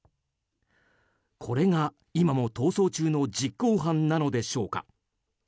これが、今も逃走中の実行犯なのでしょうか。